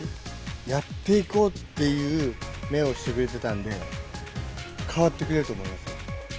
やっていこうっていう目をしてくれてたんで、変わってくれると思います。